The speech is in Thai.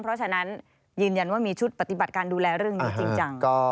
เพราะฉะนั้นยืนยันว่ามีชุดปฏิบัติการดูแลเรื่องนี้จริงจัง